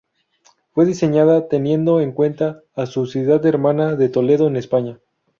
Fue diseñado teniendo en cuenta a su ciudad hermana de Toledo en España.